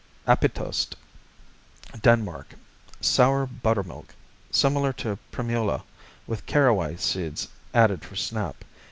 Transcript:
Appetost Denmark Sour buttermilk, similar to Primula, with caraway seeds added for snap.